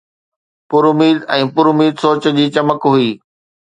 پراميد ۽ پراميد سوچ جي چمڪ هئي